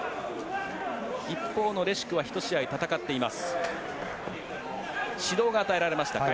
一方のレシュクは１試合戦っています。